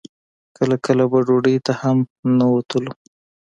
کله کله به ډوډۍ ته هم نه وتلو.